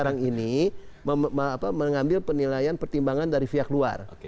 jadi kita harus mengambil penilaian pertimbangan dari pihak luar